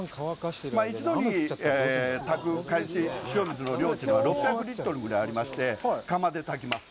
一度に炊く海水、塩水の量というのは６００リットルぐらいありまして、釜で炊きます。